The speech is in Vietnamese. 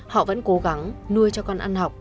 họ vẫn cố gắng nuôi cho con ăn học